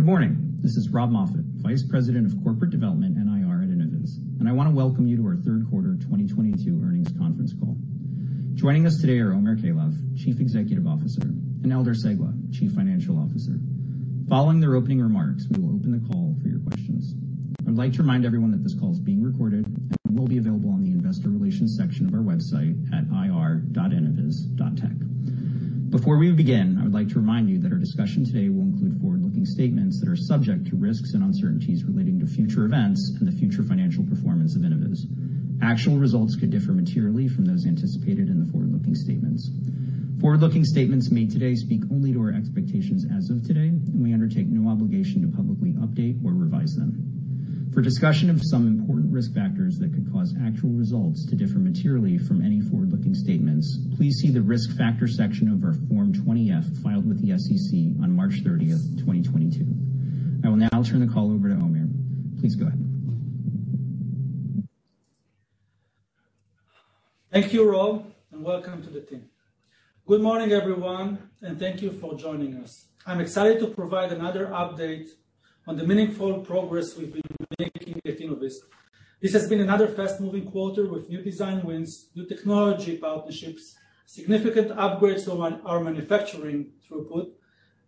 Good morning. This is Rob Moffatt, Vice President of Corporate Development and IR at Innoviz, and I want to welcome you to our third quarter 2022 earnings conference call. Joining us today are Omer Keilaf, Chief Executive Officer, and Eldar Cegla, Chief Financial Officer. Following their opening remarks, we will open the call for your questions. I would like to remind everyone that this call is being recorded and will be available on the investor relations section of our website at ir.innoviz.tech. Before we begin, I would like to remind you that our discussion today will include forward-looking statements that are subject to risks and uncertainties relating to future events and the future financial performance of Innoviz. Actual results could differ materially from those anticipated in the forward-looking statements. Forward-looking statements made today speak only to our expectations as of today, and we undertake no obligation to publicly update or revise them. For discussion of some important risk factors that could cause actual results to differ materially from any forward-looking statements, please see the Risk Factors section of our Form 20-F filed with the SEC on March 30, 2022. I will now turn the call over to Omer. Please go ahead. Thank you, Rob, and welcome to the team. Good morning, everyone, and thank you for joining us. I'm excited to provide another update on the meaningful progress we've been making at Innoviz. This has been another fast-moving quarter with new design wins, new technology partnerships, significant upgrades to our manufacturing throughput,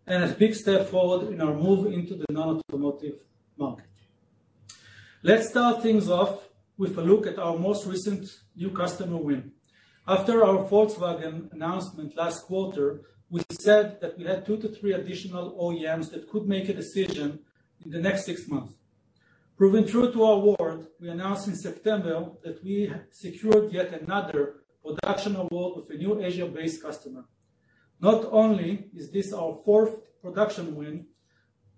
and a big step forward in our move into the non-automotive market. Let's start things off with a look at our most recent new customer win. After our Volkswagen announcement last quarter, we said that we had two to three additional OEMs that could make a decision in the next six months. Proven true to our word, we announced in September that we had secured yet another production award with a new Asia-based customer. Not only is this our fourth production win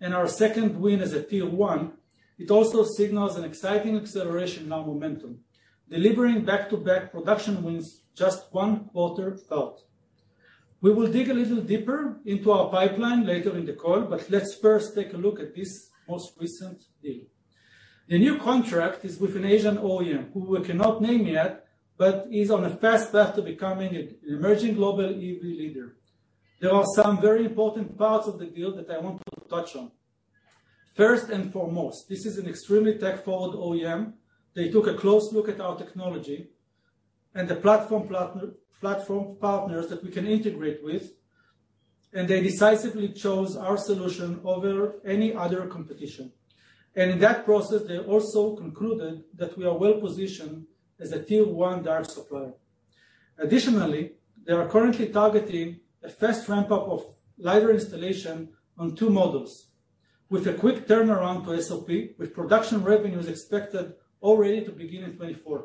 and our second win as a Tier 1, it also signals an exciting acceleration in our momentum, delivering back-to-back production wins just one quarter out. We will dig a little deeper into our pipeline later in the call, but let's first take a look at this most recent deal. The new contract is with an Asian OEM who we cannot name yet, but is on a fast path to becoming an emerging global EV leader. There are some very important parts of the deal that I want to touch on. First and foremost, this is an extremely tech-forward OEM. They took a close look at our technology and the platform partners that we can integrate with, and they decisively chose our solution over any other competition. In that process, they also concluded that we are well-positioned as a Tier 1 direct supplier. Additionally, they are currently targeting a fast ramp-up of LiDAR installation on two models with a quick turnaround to SOP with production revenues expected already to begin in 2024.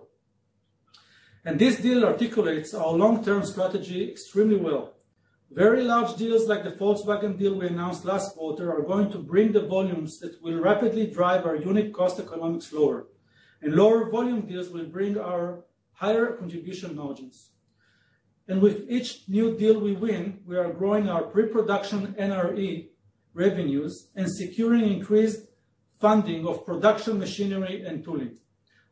This deal articulates our long-term strategy extremely well. Very large deals like the Volkswagen deal we announced last quarter are going to bring the volumes that will rapidly drive our unit cost economics lower. Lower volume deals will bring our higher contribution margins. With each new deal we win, we are growing our pre-production NRE revenues and securing increased funding of production machinery and tooling.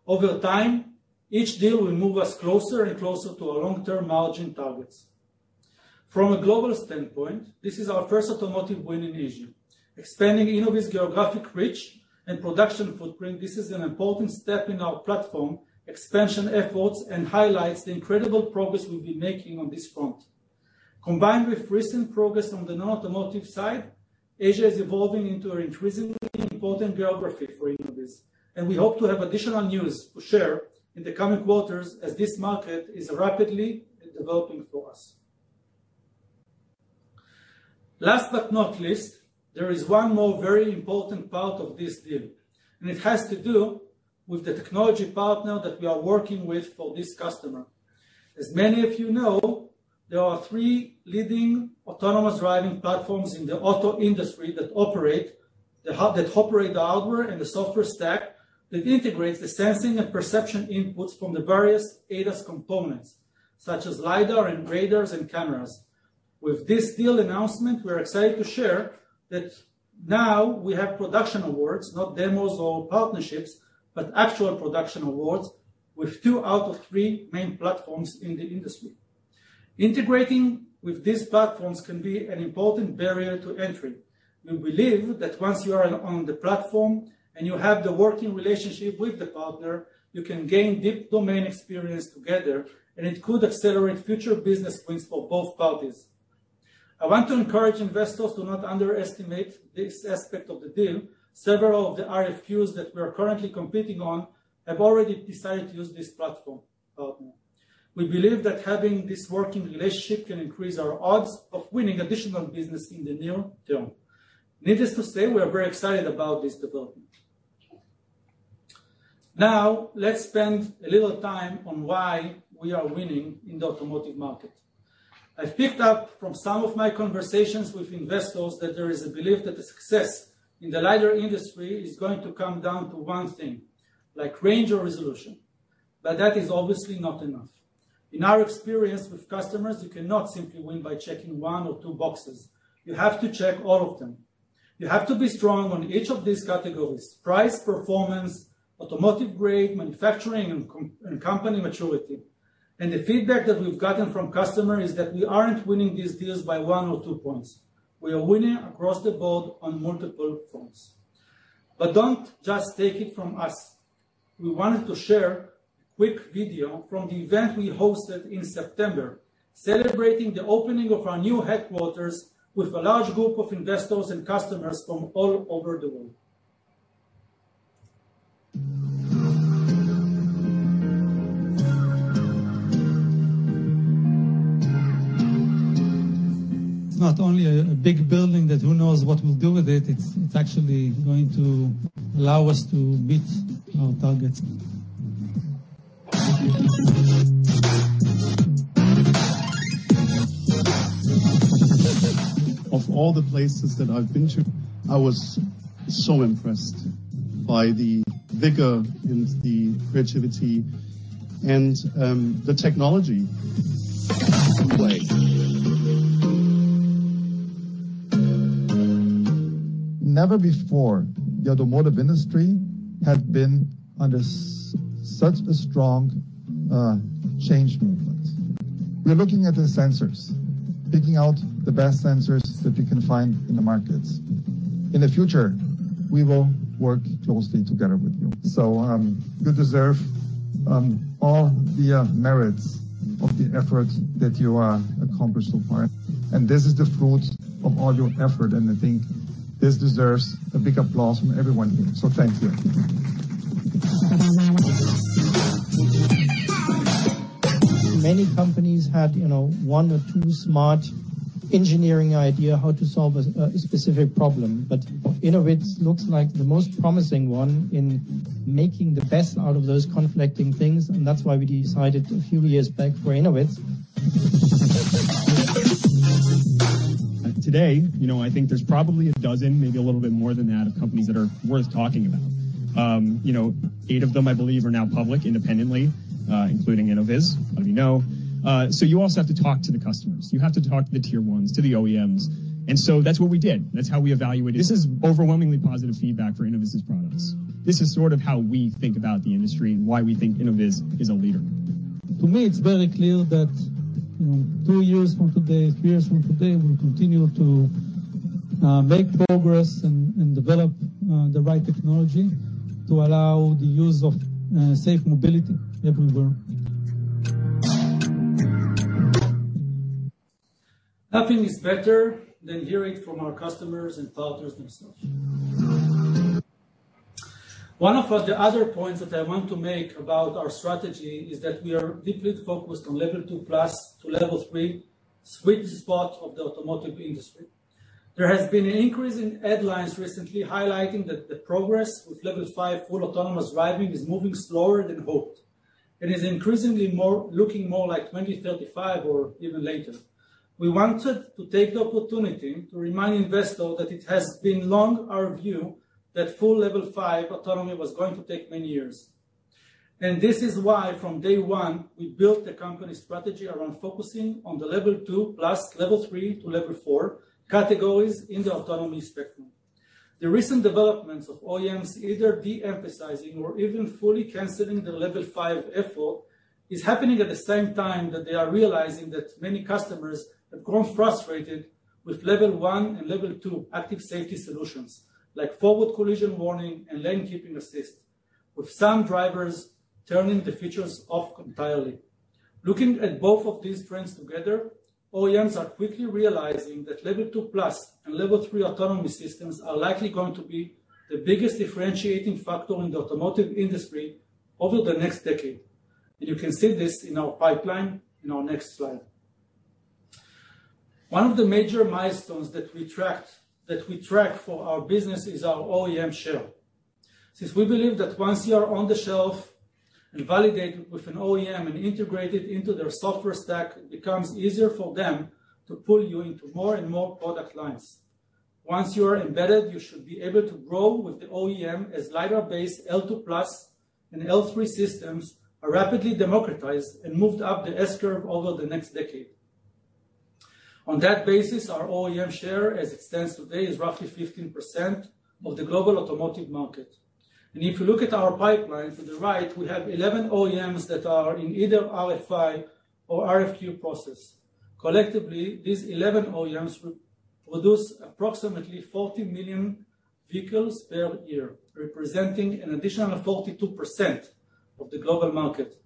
Over time, each deal will move us closer and closer to our long-term margin targets. From a global standpoint, this is our first automotive win in Asia. Expanding Innoviz geographic reach and production footprint, this is an important step in our platform expansion efforts and highlights the incredible progress we've been making on this front. Combined with recent progress on the non-automotive side, Asia is evolving into an increasingly important geography for Innoviz, and we hope to have additional news to share in the coming quarters as this market is rapidly developing for us. Last but not least, there is one more very important part of this deal, and it has to do with the technology partner that we are working with for this customer. As many of you know, there are three leading autonomous driving platforms in the auto industry that operate the hardware and the software stack that integrates the sensing and perception inputs from the various ADAS components such as LiDAR and radars and cameras. With this deal announcement, we're excited to share that now we have production awards, not demos or partnerships, but actual production awards with two out of three main platforms in the industry. Integrating with these platforms can be an important barrier to entry. We believe that once you are on the platform and you have the working relationship with the partner, you can gain deep domain experience together, and it could accelerate future business wins for both parties. I want to encourage investors to not underestimate this aspect of the deal. Several of the RFQs that we are currently competing on have already decided to use this platform partner. We believe that having this working relationship can increase our odds of winning additional business in the near term. Needless to say, we are very excited about this development. Now, let's spend a little time on why we are winning in the automotive market. I picked up from some of my conversations with investors that there is a belief that the success in the LiDAR industry is going to come down to one thing, like range or resolution, but that is obviously not enough. In our experience with customers, you cannot simply win by checking one or two boxes. You have to check all of them. You have to be strong on each of these categories, price, performance, automotive-grade, manufacturing, and company maturity. The feedback that we've gotten from customer is that we aren't winning these deals by one or two points. We are winning across the board on multiple fronts. Don't just take it from us. We wanted to share a quick video from the event we hosted in September, celebrating the opening of our new headquarters with a large group of investors and customers from all over the world. It's not only a big building that who knows what we'll do with it's actually going to allow us to meet our targets. Of all the places that I've been to, I was so impressed by the vigor and the creativity and the technology in play. Never before the automotive industry had been under such a strong change movement. We're looking at the sensors, picking out the best sensors that we can find in the markets. In the future, we will work closely together with you. You deserve all the merits of the efforts that you are accomplished so far. This is the fruit of all your effort, and I think this deserves a big applause from everyone here. Thank you. Many companies had, you know, one or two smart engineering idea how to solve a specific problem, but Innoviz looks like the most promising one in making the best out of those conflicting things, and that's why we decided a few years back for Innoviz. Today, you know, I think there's probably a dozen, maybe a little bit more than that, of companies that are worth talking about. You know, 8 of them, I believe, are now public independently, including Innoviz. A lot of you know. So you also have to talk to the customers. You have to talk to the Tier 1s, to the OEMs. That's what we did. That's how we evaluated. This is overwhelmingly positive feedback for Innoviz's products. This is sort of how we think about the industry and why we think Innoviz is a leader. To me, it's very clear that, you know, 2 years from today, 3 years from toda y, we'll continue to make progress and develop the right technology to allow the use of safe mobility everywhere. Nothing is better than hearing it from our customers and partners themselves. One of the other points that I want to make about our strategy is that we are deeply focused on Level 2+ to Level 3, sweet spot of the automotive industry. There has been an increase in headlines recently highlighting that the progress with Level 5 full autonomous driving is moving slower than hoped. It is increasingly looking more like 2035 or even later. We wanted to take the opportunity to remind investors that it has been long our view that full Level 5 autonomy was going to take many years. This is why from day one, we built the company strategy around focusing on the level two plus, level three to level four categories in the autonomy spectrum. The recent developments of OEMs either de-emphasizing or even fully canceling their level five effort is happening at the same time that they are realizing that many customers have grown frustrated with level one and level two active safety solutions, like forward collision warning and lane keeping assist, with some drivers turning the features off entirely. Looking at both of these trends together, OEMs are quickly realizing that level two plus and level three autonomy systems are likely going to be the biggest differentiating factor in the automotive industry over the next decade. You can see this in our pipeline in our next slide. One of the major milestones that we track for our business is our OEM share. Since we believe that once you are on the shelf and validated with an OEM and integrated into their software stack, it becomes easier for them to pull you into more and more product lines. Once you are embedded, you should be able to grow with the OEM as LiDAR-based L2+ and L3 systems are rapidly democratized and moved up the S-curve over the next decade. On that basis, our OEM share, as it stands today, is roughly 15% of the global automotive market. If you look at our pipeline to the right, we have 11 OEMs that are in either RFI or RFQ process. Collectively, these 11 OEMs produce approximately 40 million vehicles per year, representing an additional 42% of the global market.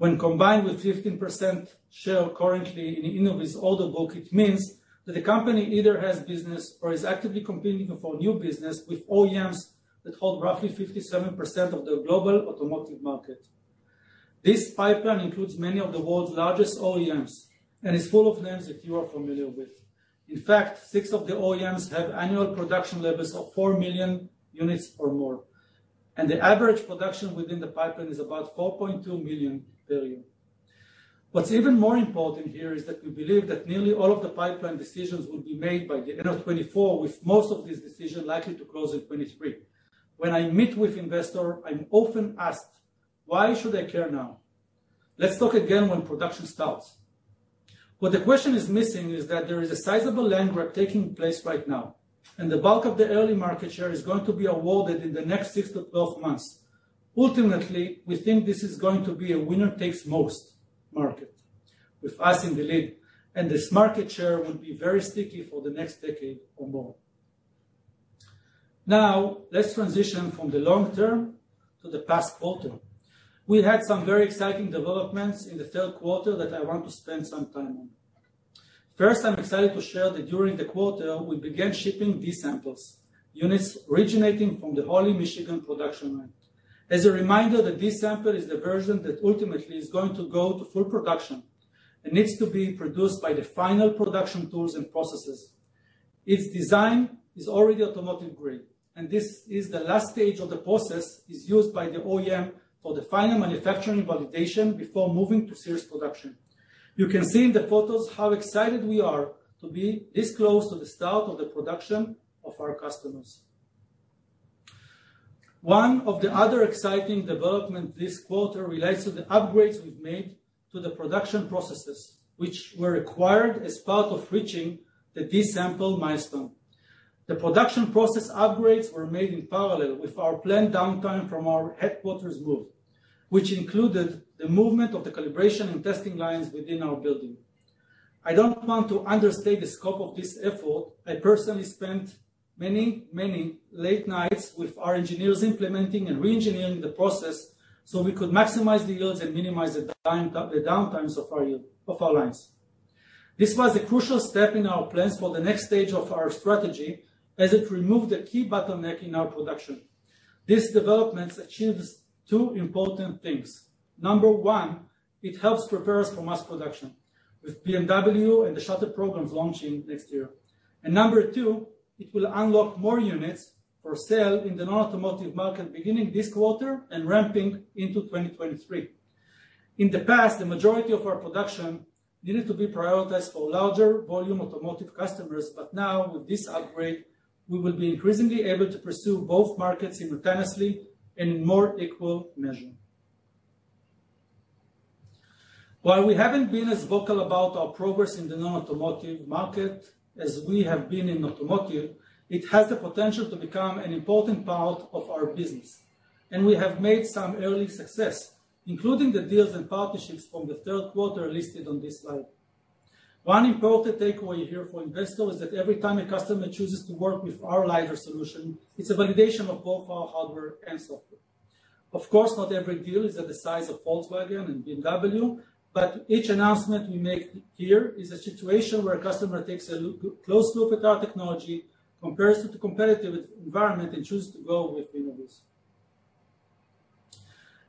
When combined with 15% share currently in Innoviz order book, it means that the company either has business or is actively competing for new business with OEMs that hold roughly 57% of the global automotive market. This pipeline includes many of the world's largest OEMs and is full of names that you are familiar with. In fact, six of the OEMs have annual production levels of 4 million units or more, and the average production within the pipeline is about 4.2 million per year. What's even more important here is that we believe that nearly all of the pipeline decisions will be made by the end of 2024, with most of these decisions likely to close in 2023. When I meet with investor, I'm often asked, "Why should I care now? Let's talk again when production starts." What the question is missing is that there is a sizable land grab taking place right now, and the bulk of the early market share is going to be awarded in the next six to 12 months. Ultimately, we think this is going to be a winner-takes-most market with us in the lead, and this market share will be very sticky for the next decade or more. Now, let's transition from the long term to the past quarter. We had some very exciting developments in the third quarter that I want to spend some time on. First, I'm excited to share that during the quarter, we began shipping these samples, units originating from the Holly, Michigan, production line. As a reminder, the V-sample is the version that ultimately is going to go to full production and needs to be produced by the final production tools and processes. Its design is already automotive-grade, and this is the last stage of the process is used by the OEM for the final manufacturing validation before moving to serial production. You can see in the photos how excited we are to be this close to the start of the production of our customers. One of the other exciting development this quarter relates to the upgrades we've made to the production processes, which were required as part of reaching the D-sample milestone. The production process upgrades were made in parallel with our planned downtime from our headquarters move, which included the movement of the calibration and testing lines within our building. I don't want to understate the scope of this effort. I personally spent many, many late nights with our engineers implementing and re-engineering the process so we could maximize the yields and minimize the downtimes of our lines. This was a crucial step in our plans for the next stage of our strategy as it removed a key bottleneck in our production. These developments achieved two important things. Number one, it helps prepare us for mass production with BMW and the shuttle programs launching next year. Number two, it will unlock more units for sale in the non-automotive market beginning this quarter and ramping into 2023. In the past, the majority of our production needed to be prioritized for larger volume automotive customers, but now with this upgrade, we will be increasingly able to pursue both markets simultaneously and in more equal measure. While we haven't been as vocal about our progress in the non-automotive market as we have been in automotive, it has the potential to become an important part of our business, and we have made some early success, including the deals and partnerships from the third quarter listed on this slide. One important takeaway here for investors is that every time a customer chooses to work with our lighter solution, it's a validation of both our hardware and software. Of course, not every deal is at the size of Volkswagen and BMW, but each announcement we make here is a situation where a customer takes a long, close look at our technology, compares it to competitive environment, and chooses to go with Innoviz.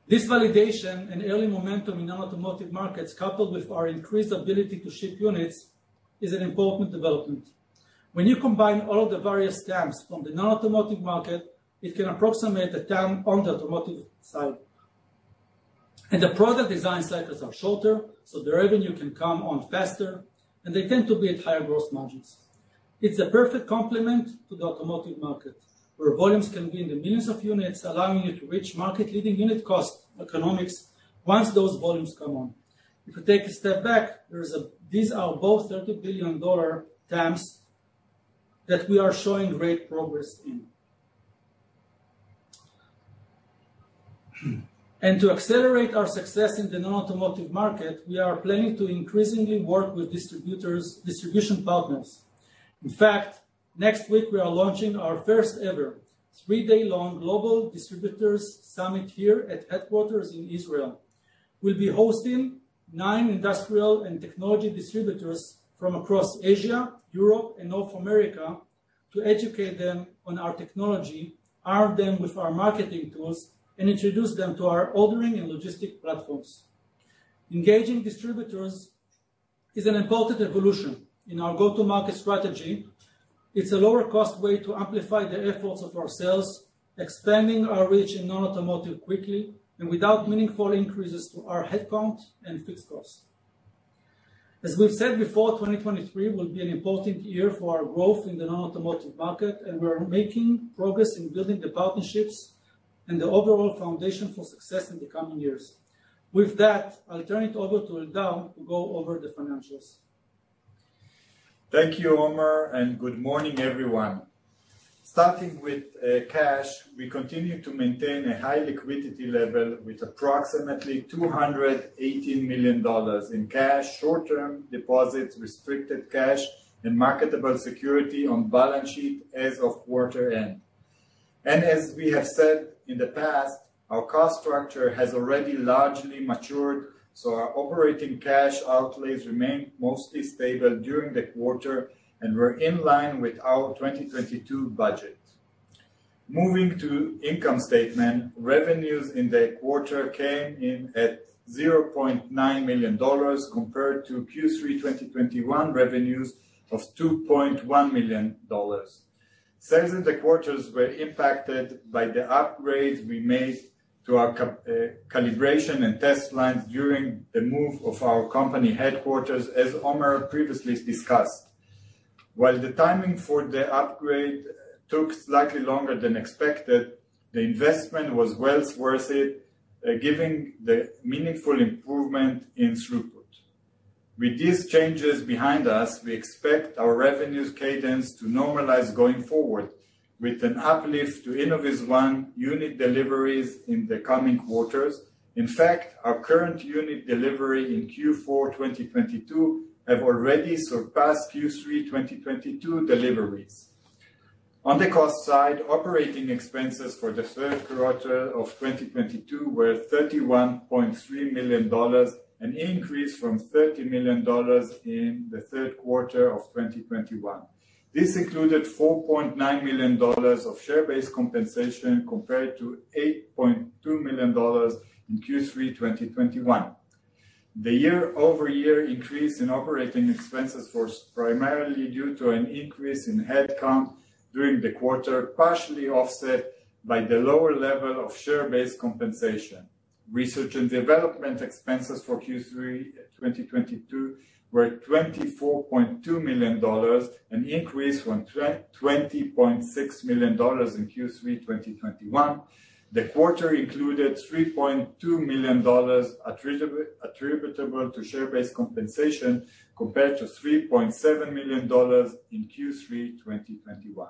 This validation and early momentum in non-automotive markets, coupled with our increased ability to ship units, is an important development. When you combine all of the various TAMs from the non-automotive market, it can approximate the TAM on the automotive side. The product design cycles are shorter, so the revenue can come on faster, and they tend to be at higher gross margins. It's a perfect complement to the automotive market, where volumes can be in the millions of units, allowing you to reach market-leading unit cost economics once those volumes come on. If you take a step back, these are both $30 billion TAMs that we are showing great progress in. To accelerate our success in the non-automotive market, we are planning to increasingly work with distributors, distribution partners. In fact, next week we are launching our first ever three-day long global distributors summit here at headquarters in Israel. We'll be hosting nine industrial and technology distributors from across Asia, Europe, and North America to educate them on our technology, arm them with our marketing tools, and introduce them to our ordering and logistics platforms. Engaging distributors is an important evolution in our go-to-market strategy. It's a lower-cost way to amplify the efforts of our sales, expanding our reach in non-automotive quickly and without meaningful increases to our headcount and fixed costs. As we've said before, 2023 will be an important year for our growth in the non-automotive market, and we're making progress in building the partnerships and the overall foundation for success in the coming years. With that, I'll turn it over to Eldar to go over the financials. Thank you, Omer, and good morning, everyone. Starting with cash, we continue to maintain a high liquidity level with approximately $218 million in cash, short-term deposits, restricted cash, and marketable security on balance sheet as of quarter end. As we have said in the past, our cost structure has already largely matured, so our operating cash outlays remained mostly stable during the quarter and were in line with our 2022 budget. Moving to income statement, revenues in the quarter came in at $0.9 million compared to Q3 2021 revenues of $2.1 million. Sales in the quarters were impacted by the upgrades we made to our calibration and test lines during the move of our company headquarters, as Omer previously discussed. While the timing for the upgrade took slightly longer than expected, the investment was well worth it, giving the meaningful improvement in throughput. With these changes behind us, we expect our revenues cadence to normalize going forward with an uplift to InnovizOne unit deliveries in the coming quarters. In fact, our current unit delivery in Q4 2022 have already surpassed Q3 2022 deliveries. On the cost side, operating expenses for the third quarter of 2022 were $31.3 million, an increase from $30 million in the third quarter of 2021. This included $4.9 million of share-based compensation compared to $8.2 million in Q3 2021. The year-over-year increase in operating expenses was primarily due to an increase in headcount during the quarter, partially offset by the lower level of share-based compensation. Research and development expenses for Q3 2022 were $24.2 million, an increase from $20.6 million in Q3 2021. The quarter included $3.2 million attributable to share-based compensation compared to $3.7 million in Q3 2021.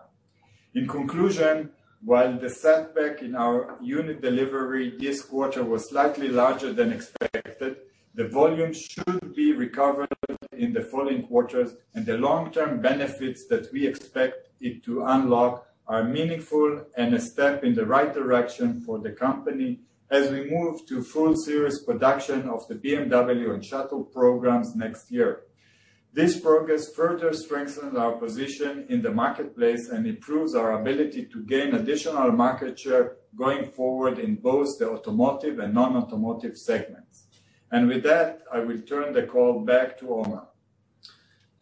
In conclusion, while the setback in our unit delivery this quarter was slightly larger than expected, the volume should be recovered in the following quarters, and the long-term benefits that we expect it to unlock are meaningful and a step in the right direction for the company as we move to full series production of the BMW and shuttle programs next year. This progress further strengthens our position in the marketplace and improves our ability to gain additional market share going forward in both the automotive and non-automotive segments. With that, I will turn the call back to Omer.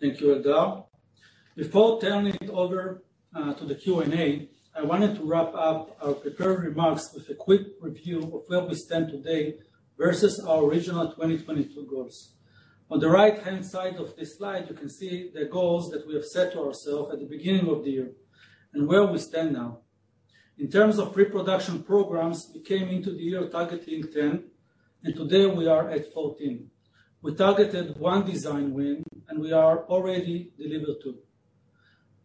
Thank you, Eldar. Before turning it over to the Q&A, I wanted to wrap up our prepared remarks with a quick review of where we stand today versus our original 2022 goals. On the right-hand side of this slide, you can see the goals that we have set ourselves at the beginning of the year and where we stand now. In terms of pre-production programs, we came into the year targeting 10, and today we are at 14. We targeted one design win, and we are already delivered two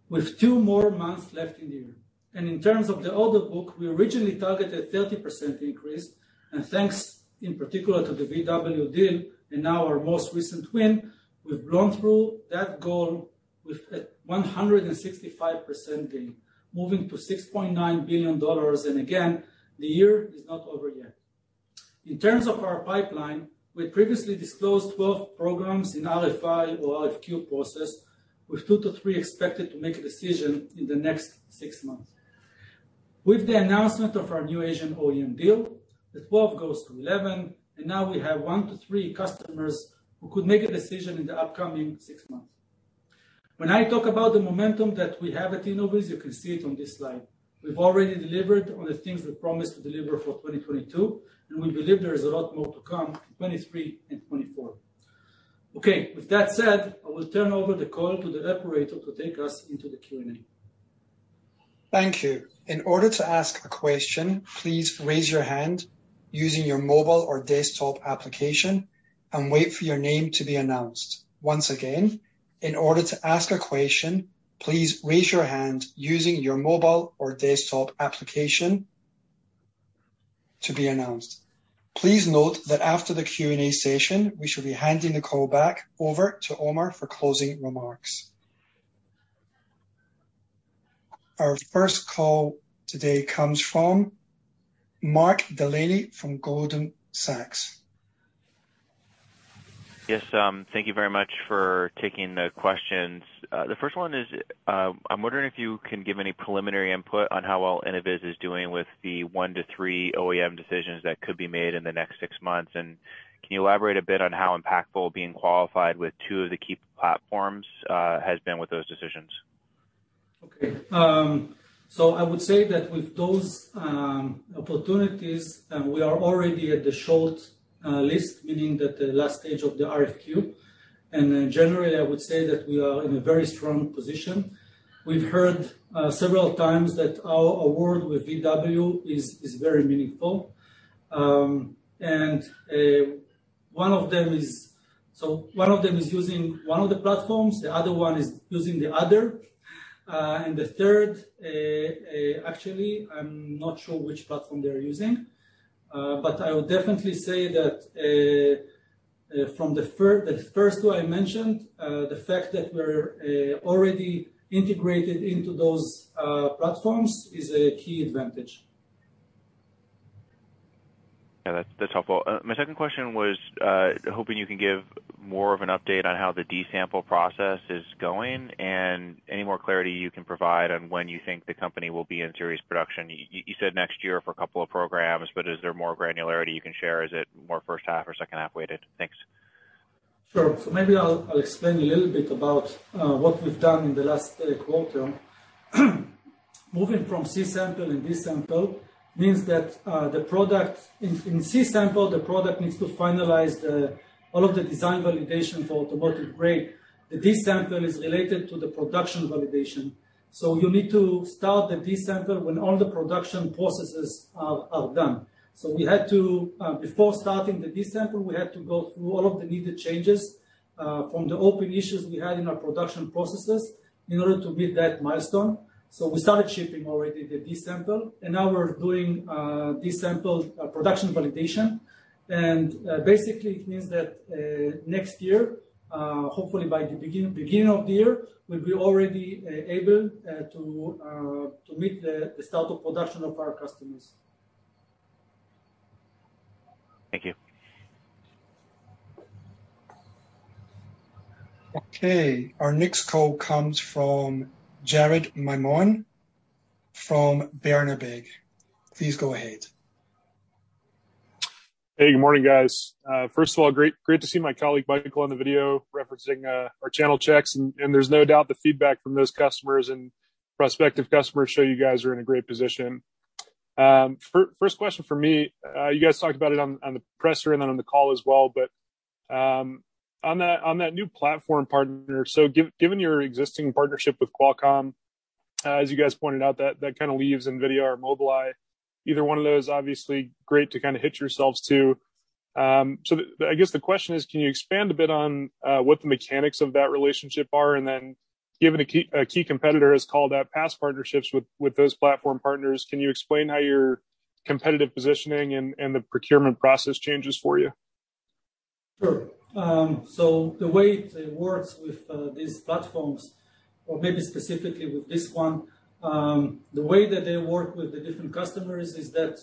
with two more months left in the year. In terms of the order book, we originally targeted 30% increase, and thanks in particular to the Volkswagen deal and now our most recent win, we've blown through that goal with a 165% gain, moving to $6.9 billion. Again, the year is not over yet. In terms of our pipeline, we previously disclosed 12 programs in RFI or RFQ process, with 2-3 expected to make a decision in the next six months. With the announcement of our new Asian OEM deal, the 12 goes to 11, and now we have 1-3 customers who could make a decision in the upcoming six months. When I talk about the momentum that we have at Innoviz, you can see it on this slide. We've already delivered on the things we promised to deliver for 2022, and we believe there is a lot more to come in 2023 and 2024. Okay, with that said, I will turn over the call to the operator to take us into the Q&A. Thank you. In order to ask a question, please raise your hand using your mobile or desktop application and wait for your name to be announced. Once again, in order to ask a question, please raise your hand using your mobile or desktop application to be announced. Please note that after the Q&A session, we should be handing the call back over to Omer for closing remarks. Our first call today comes from Mark Delaney from Goldman Sachs. Yes, thank you very much for taking the questions. The first one is, I'm wondering if you can give any preliminary input on how well Innoviz is doing with the 1-3 OEM decisions that could be made in the next six months. Can you elaborate a bit on how impactful being qualified with two of the key platforms has been with those decisions? Okay. I would say that with those opportunities, we are already at the short list, meaning that the last stage of the RFQ. Generally, I would say that we are in a very strong position. We've heard several times that our award with Volkswagen is very meaningful. One of them is using one of the platforms, the other one is using the other. The third actually, I'm not sure which platform they're using. I would definitely say that from the first two I mentioned, the fact that we're already integrated into those platforms is a key advantage. Yeah, that's helpful. My second question was hoping you can give more of an update on how the D-sample process is going and any more clarity you can provide on when you think the company will be in serial production. You said next year for a couple of programs, but is there more granularity you can share? Is it more first half or second half-weighted? Thanks. Sure. Maybe I'll explain a little bit about what we've done in the last quarter. Moving from C-sample and D-sample means that the product in C-sample, the product needs to finalize all of the design validation for automotive grade. The D-sample is related to the production validation. You need to start the D-sample when all the production processes are done. We had to, before starting the D-sample, we had to go through all of the needed changes from the open issues we had in our production processes in order to meet that milestone. We started shipping already the D-sample, and now we're doing D-sample production validation. Basically, it means that next year, hopefully by the beginning of the year, we'll be already able to meet the start of production of our customers. Thank you. Okay. Our next call comes from Jared Maymon from Berenberg. Please go ahead. Hey, good morning, guys. First of all, great to see my colleague Michael on the video referencing our channel checks. There's no doubt the feedback from those customers and prospective customers shows you guys are in a great position. First question for me, you guys talked about it on the presser and then on the call as well. On that new platform partner, given your existing partnership with Qualcomm, as you guys pointed out, that kinda leaves NVIDIA or Mobileye, either one of those, obviously great to kinda hitch yourselves to. I guess the question is, can you expand a bit on what the mechanics of that relationship are? Given a key competitor has called out past partnerships with those platform partners, can you explain how your competitive positioning and the procurement process changes for you? Sure. The way it works with these platforms or maybe specifically with this one, the way that they work with the different customers is that,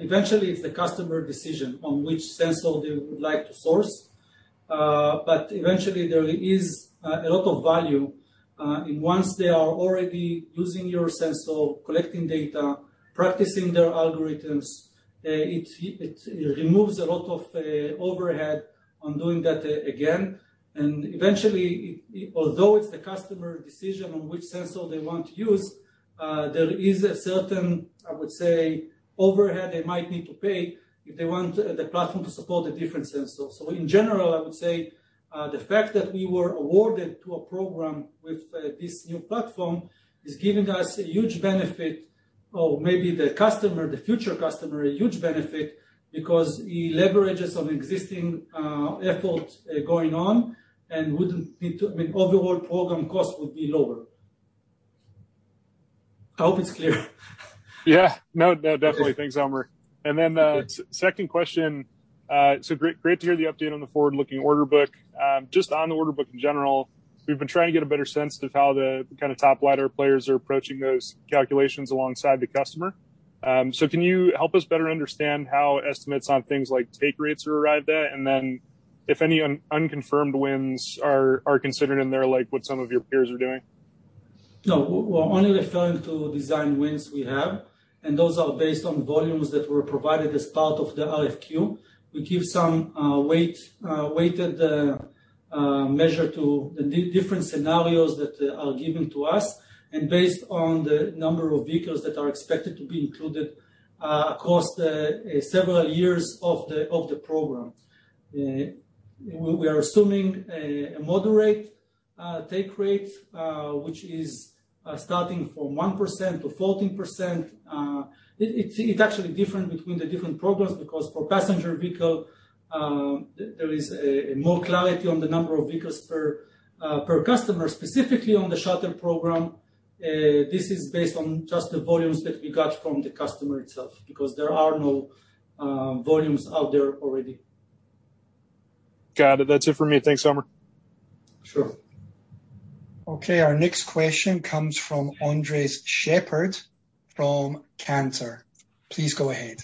eventually it's the customer decision on which sensor they would like to source. Eventually there is a lot of value in once they are already using your sensor, collecting data, practicing their algorithms, it removes a lot of overhead on doing that again. Eventually, although it's the customer decision on which sensor they want to use, there is a certain, I would say, overhead they might need to pay if they want the platform to support the different sensors. In general, I would say, the fact that we were awarded to a program with this new platform is giving us a huge benefit or maybe the customer, the future customer, a huge benefit because it leverages on existing effort going on and I mean, overall program cost would be lower. I hope it's clear. Yeah. No, no, definitely. Thanks, Omer. Second question. So great to hear the update on the forward-looking order book. Just on the order book in general, we've been trying to get a better sense of how the top LiDAR players are approaching those calculations alongside the customer. So can you help us better understand how estimates on things like take rates are arrived at? If any unconfirmed wins are considered in there, like what some of your peers are doing? No. We're only referring to design wins we have, and those are based on volumes that were provided as part of the RFQ. We give some weighted measure to the different scenarios that are given to us and based on the number of vehicles that are expected to be included across the several years of the program. We are assuming a moderate take rate, which is starting from 1%-14%. It's actually different between the different programs because for passenger vehicle, there is more clarity on the number of vehicles per customer. Specifically on the shuttle program, this is based on just the volumes that we got from the customer itself because there are no volumes out there already. Got it. That's it for me. Thanks, Omer. Sure. Okay. Our next question comes from Andres Sheppard from Cantor Fitzgerald. Please go ahead.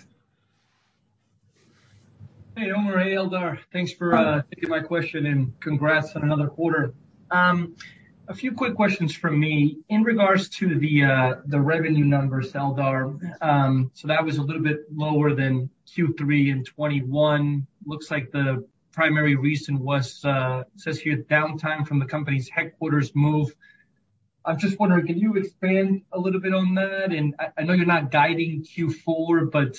Hey, Omer. Hey, Eldar. Thanks for taking my question, and congrats on another quarter. A few quick questions from me. In regards to the revenue numbers, Eldar. That was a little bit lower than Q3 in 2021. Looks like the primary reason was it says here downtime from the company's headquarters move. I'm just wondering, can you expand a little bit on that? And I know you're not guiding Q4, but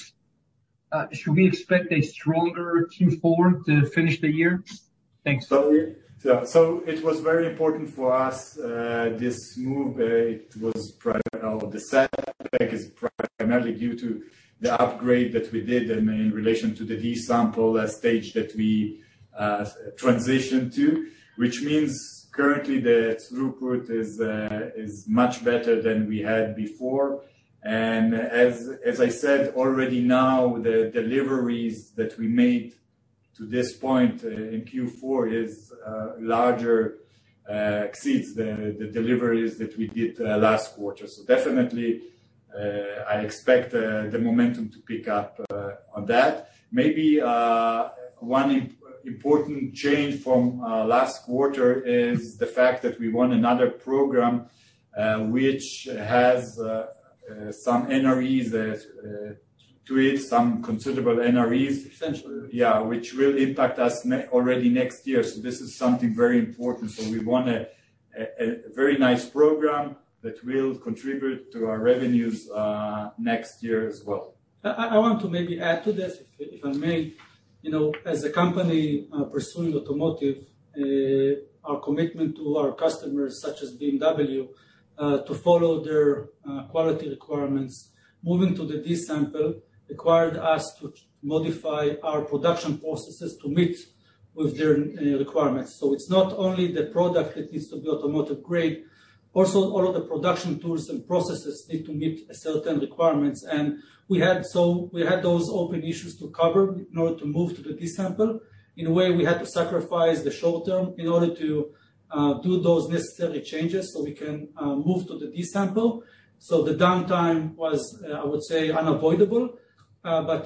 should we expect a stronger Q4 to finish the year? Thanks. So- Yeah. It was very important for us, this move, the setback is primarily due to the upgrade that we did and in relation to the D-sample stage that we transitioned to, which means currently the throughput is much better than we had before. As I said already now, the deliveries that we made to this point in Q4 is larger, exceeds the deliveries that we did last quarter. Definitely, I expect the momentum to pick up on that. Maybe, one important change from last quarter is the fact that we won another program, which has some NREs to it, some considerable NREs. Essentially. Yeah. Which will impact us already next year. This is something very important. We want a very nice program that will contribute to our revenues next year as well. I want to maybe add to this, if I may. You know, as a company pursuing automotive, our commitment to our customers, such as BMW, to follow their quality requirements, moving to the D sample required us to modify our production processes to meet with their requirements. It's not only the product that needs to be automotive-grade, also all of the production tools and processes need to meet certain requirements. We had those open issues to cover in order to move to the D sample. In a way, we had to sacrifice the short term in order to do those necessary changes so we can move to the D sample. The downtime was, I would say unavoidable.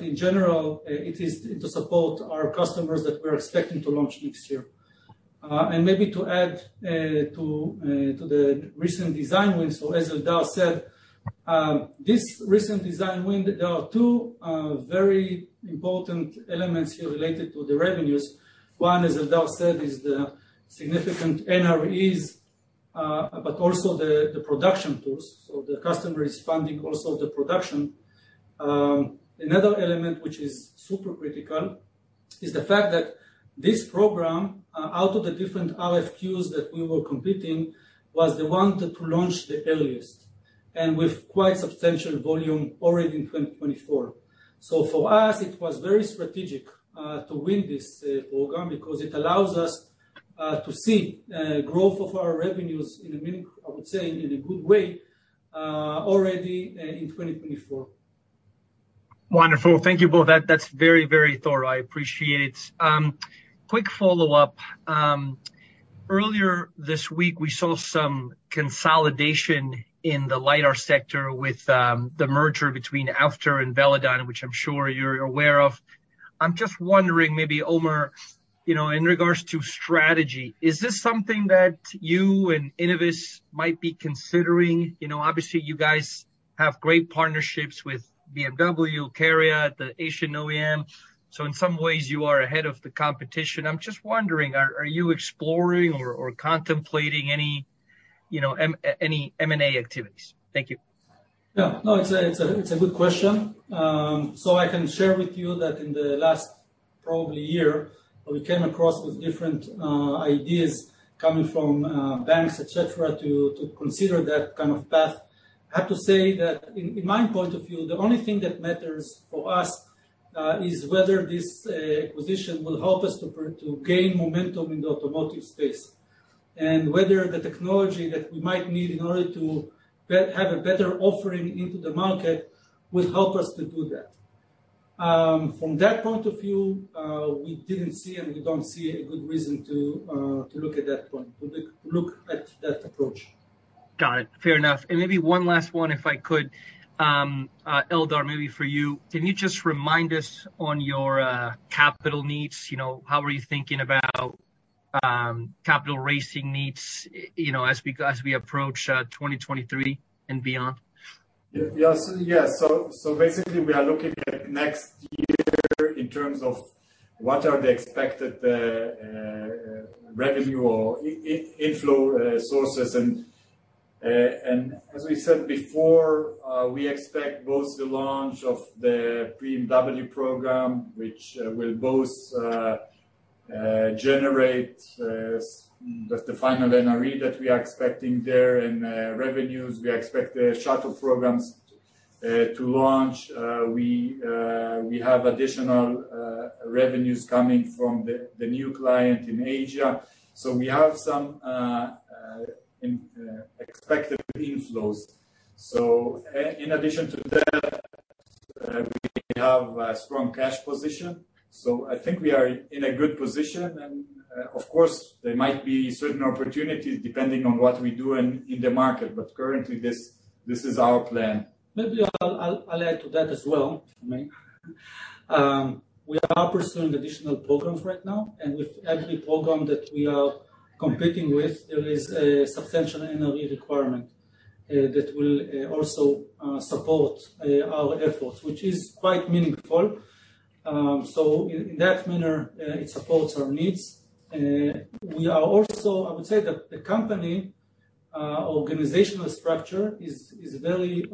In general, it is to support our customers that we're expecting to launch next year. Maybe to add to the recent design wins, as Eldar said, this recent design win, there are two very important elements here related to the revenues. One, as Eldar said, is the significant NREs, but also the production tools. The customer is funding also the production. Another element which is super critical is the fact that this program, out of the different RFQs that we were competing, was the one that will launch the earliest, and with quite substantial volume already in 2024. For us, it was very strategic to win this program because it allows us to see growth of our revenues I would say in a good way already in 2024. Wonderful. Thank you both. That's very thorough. I appreciate it. Quick follow-up. Earlier this week, we saw some consolidation in the LiDAR sector with the merger between Ouster and Velodyne, which I'm sure you're aware of. I'm just wondering maybe, Omer, you know, in regards to strategy, is this something that you and Innoviz might be considering? You know, obviously you guys have great partnerships with BMW, CARIAD, the Asian OEM, so in some ways you are ahead of the competition. I'm just wondering, are you exploring or contemplating any, you know, M&A activities? Thank you. No, it's a good question. So I can share with you that in the last probably year, we came across with different ideas coming from banks, et cetera, to consider that kind of path. I have to say that in my point of view, the only thing that matters for us is whether this acquisition will help us to gain momentum in the automotive space, and whether the technology that we might need in order to have a better offering into the market will help us to do that. From that point of view, we didn't see and we don't see a good reason to look at that approach. Got it. Fair enough. Maybe one last one, if I could. Eldar, maybe for you. Can you just remind us on your capital needs, you know, how are you thinking about capital raising needs, you know, as we approach 2023 and beyond? Yes. Basically we are looking at next year in terms of what are the expected revenue or inflow sources. As we said before, we expect both the launch of the BMW program, which will both generate the final NRE that we are expecting there in revenues. We expect the shuttle programs to launch. We have additional revenues coming from the new client in Asia. We have some expected inflows. In addition to that, we have a strong cash position, so I think we are in a good position. Of course, there might be certain opportunities depending on what we do in the market, but currently this is our plan. Maybe I'll add to that as well, if I may. We are pursuing additional programs right now, and with every program that we are competing with, there is a substantial NRE requirement that will also support our efforts, which is quite meaningful. In that manner, it supports our needs. We are also. I would say the company organizational structure is very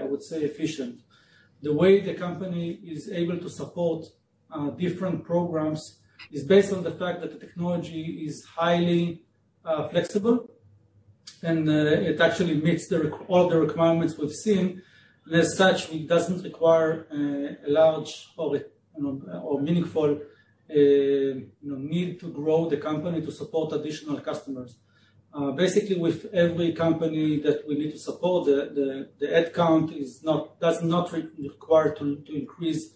I would say efficient. The way the company is able to support different programs is based on the fact that the technology is highly flexible, and it actually meets all the requirements we've seen. As such, it doesn't require a large or, you know, meaningful need to grow the company to support additional customers. Basically with every company that we need to support, the headcount does not require to increase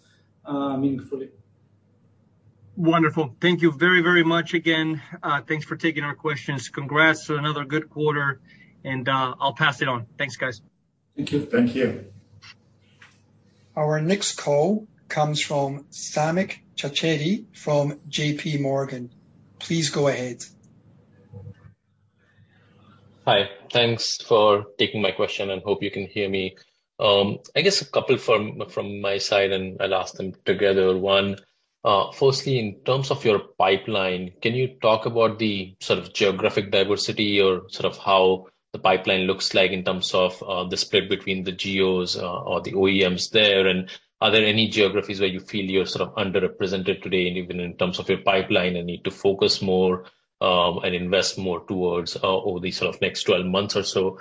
meaningfully. Wonderful. Thank you very, very much again. Thanks for taking our questions. Congrats to another good quarter and I'll pass it on. Thanks, guys. Thank you. Thank you. Our next call comes from Samik Chatterjee from JPMorgan. Please go ahead. Hi. Thanks for taking my question, and hope you can hear me. I guess a couple from my side, and I'll ask them together. One- Firstly, in terms of your pipeline, can you talk about the sort of geographic diversity or sort of how the pipeline looks like in terms of, the split between the geos or the OEMs there? Are there any geographies where you feel you're sort of underrepresented today and even in terms of your pipeline and need to focus more, and invest more towards over the sort of next 12 months or so?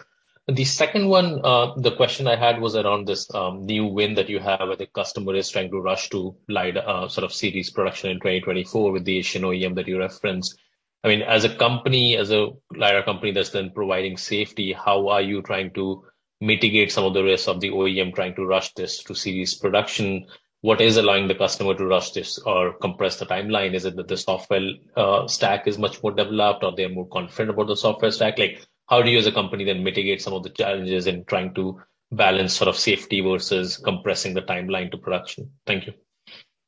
The second one, the question I had was around this, new win that you have, where the customer is trying to rush to LiDAR, sort of series production in 2024 with the Asian OEM that you referenced. I mean, as a company, as a LiDAR company that's then providing safety, how are you trying to mitigate some of the risks of the OEM trying to rush this to series production? What is allowing the customer to rush this or compress the timeline? Is it that the software, stack is much more developed, or they're more confident about the software stack? Like, how do you as a company then mitigate some of the challenges in trying to balance sort of safety versus compressing the timeline to production? Thank you.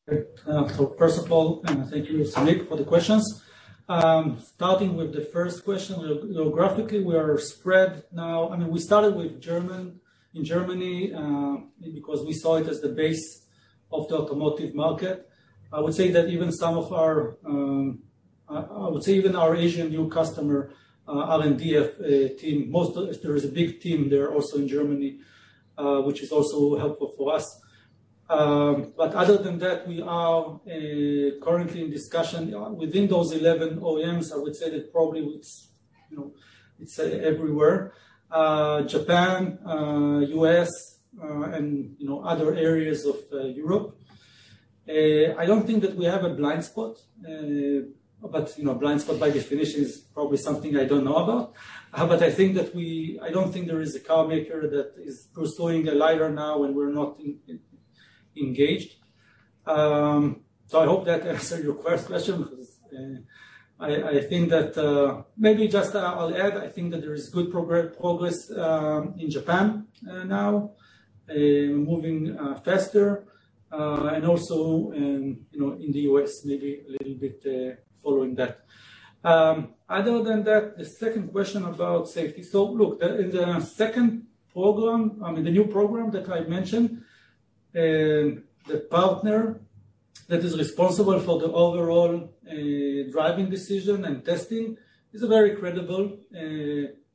Great. First of all, thank you, Samik Chatterjee, for the questions. Starting with the first question. Geographically, we are spread now. I mean, we started in Germany, because we saw it as the base of the automotive market. I would say that even some of our, even our Asian new customer's R&D team, there is a big team there also in Germany, which is also helpful for us. Other than that, we are currently in discussion within those 11 OEMs. I would say that probably it's, you know, it's everywhere. Japan, U.S., and, you know, other areas of Europe. I don't think that we have a blind spot. You know, blind spot by definition is probably something I don't know about. I don't think there is a car maker that is pursuing a LiDAR now when we're not engaged. I hope that answered your first question 'cause maybe just I'll add I think that there is good progress in Japan now, moving faster, and also in, you know, in the US maybe a little bit, following that. Other than that, the second question about safety. Look, the second program, I mean, the new program that I mentioned, the partner that is responsible for the overall driving decision and testing is a very credible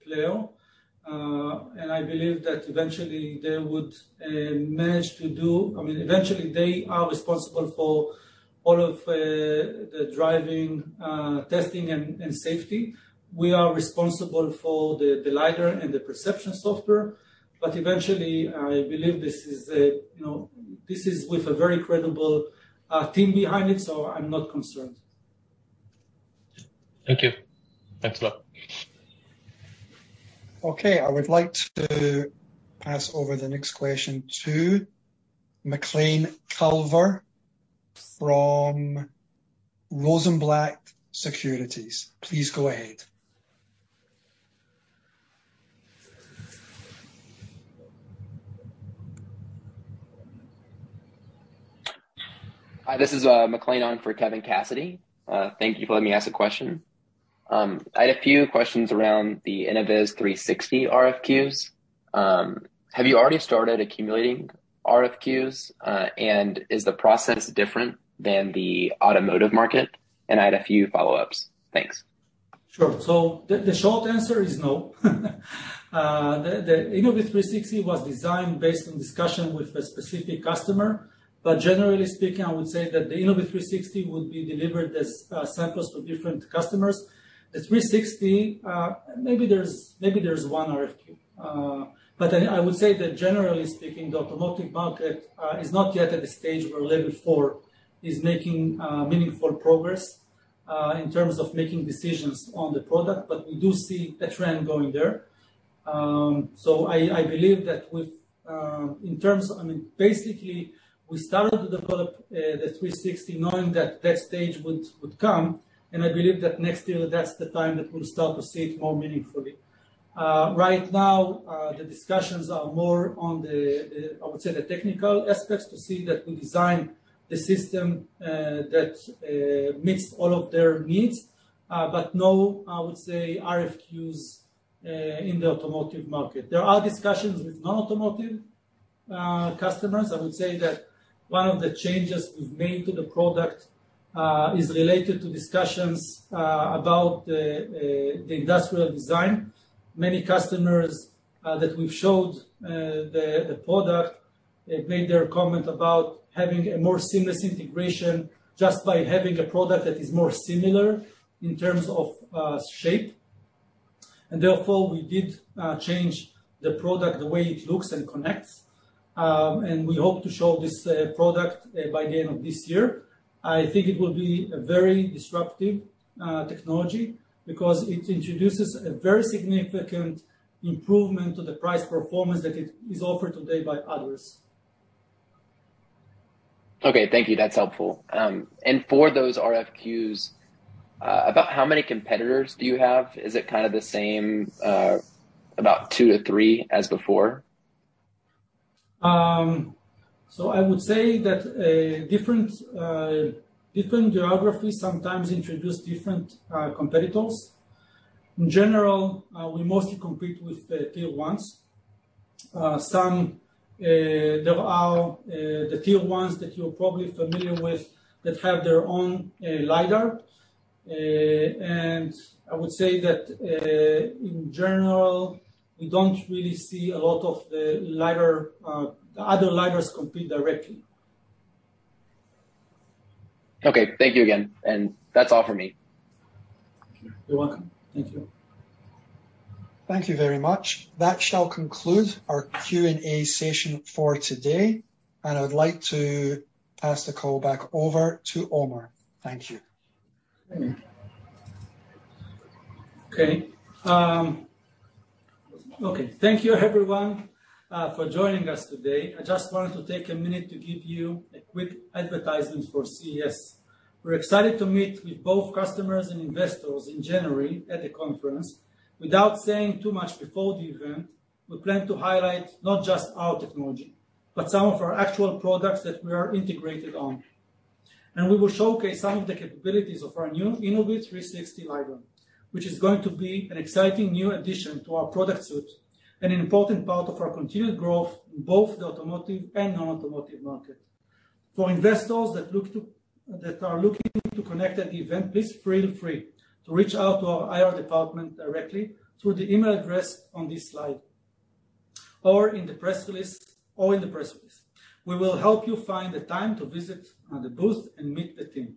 player. I believe that eventually they are responsible for all of the driving testing and safety. We are responsible for the LiDAR and the perception software. Eventually, I believe this is a, you know, this is with a very credible team behind it, so I'm not concerned. Thank you. Thanks a lot. Okay, I would like to pass over the next question to McClain Culver from Rosenblatt Securities. Please go ahead. Hi, this is McClain on for Kevin Cassidy. Thank you for letting me ask a question. I had a few questions around the Innoviz360 RFQs. Have you already started accumulating RFQs? Is the process different than the automotive market? I had a few follow-ups. Thanks. The short answer is no. The Innoviz360 was designed based on discussion with a specific customer. Generally speaking, I would say that the Innoviz360 would be delivered as samples to different customers. The 360, maybe there's one RFQ. I would say that generally speaking, the automotive market is not yet at the stage where Level 4 is making meaningful progress in terms of making decisions on the product, but we do see a trend going there. I believe that I mean, basically, we started to develop the 360 knowing that that stage would come, and I believe that next year that's the time that we'll start to see it more meaningfully. Right now, the discussions are more on the, I would say the technical aspects to see that we design the system that meets all of their needs. No, I would say RFQs in the automotive market. There are discussions with non-automotive customers. I would say that one of the changes we've made to the product is related to discussions about the industrial design. Many customers that we've showed the product have made their comment about having a more seamless integration just by having a product that is more similar in terms of shape. Therefore, we did change the product, the way it looks and connects. We hope to show this product by the end of this year. I think it will be a very disruptive technology because it introduces a very significant improvement to the price-performance that is offered today by others. Okay. Thank you. That's helpful. For those RFQs, about how many competitors do you have? Is it kinda the same, about 2-3 as before? I would say that different geographies sometimes introduce different competitors. In general, we mostly compete with the Tier 1s. There are the Tier 1s that you're probably familiar with that have their own LiDAR. I would say that in general, we don't really see a lot of the other LiDARs compete directly. Okay. Thank you again. That's all for me. You're welcome. Thank you. Thank you very much. That shall conclude our Q&A session for today. I would like to pass the call back over to Omer. Thank you. Okay. Thank you, everyone, for joining us today. I just wanted to take a minute to give you a quick advertisement for CES. We're excited to meet with both customers and investors in January at the conference. Without saying too much before the event, we plan to highlight not just our technology, but some of our actual products that we are integrated on. We will showcase some of the capabilities of our new Innoviz360 LiDAR, which is going to be an exciting new addition to our product suite and an important part of our continued growth in both the automotive and non-automotive market. For investors that are looking to connect at the event, please feel free to reach out to our IR department directly through the email address on this slide or in the press list. We will help you find the time to visit the booth and meet the team.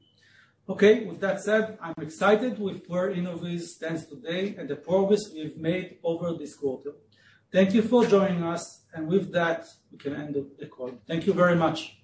Okay. With that said, I'm excited with where Innoviz stands today and the progress we've made over this quarter. Thank you for joining us. With that, we can end the call. Thank you very much.